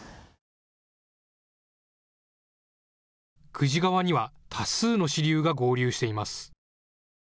久慈川には多数の支流が合流しています。